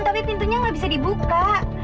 tapi pintunya gak bisa dibuka